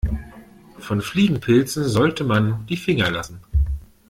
Von Fliegenpilzen sollte man die Finger lassen.